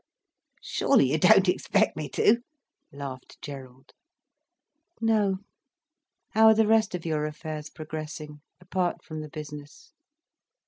"Surely you don't expect me to?" laughed Gerald. "No. How are the rest of your affairs progressing, apart from the business?"